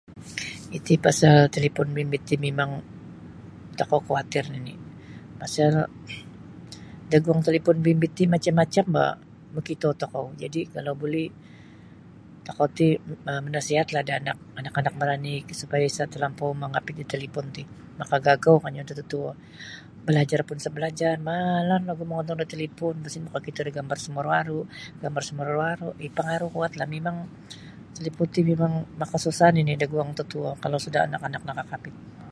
Iti pasal talipon bimbit ti mimang tokou khuatir nini' pasal daguang talipon bimbit ti macam-macam bah makito tokou jadi' kalau buli tokou ti manasiatlah da anak anak-anak maranik supaya isa' talampau mangapit da talipon ti makagagau kanyu da totuo balajar pun sa balajar maalar nogu mongontong da talipon lapas ino makakito da gambar samaru'-aru' gambar samaru'-aru' ih pangaruh kuatlah mimang talipon ti mimang makasusah nini' daguang mututuo kalau sudah anak-anak nakakapit.